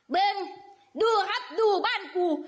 เบิ่งดูครับดูบ้านกู